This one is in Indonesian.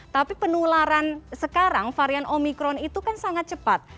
tapi penularan sekarang varian omikron itu kan sangat cepat